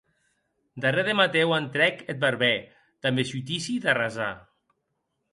Darrèr de Matèu entrèc eth barbèr, damb es utisi d'arrasar.